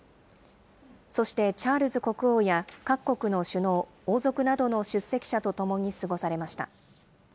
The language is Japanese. そしてチャールズ国王や各国の首脳、王族などの出席者と共に過ごされました。